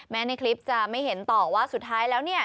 ในคลิปจะไม่เห็นต่อว่าสุดท้ายแล้วเนี่ย